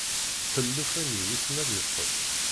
Ttel llufan-nni wissen ad yeṭṭes.